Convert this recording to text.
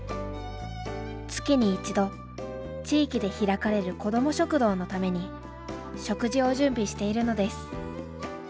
月に１度地域で開かれる子ども食堂のために食事を準備しているのです。